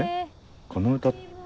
この歌って。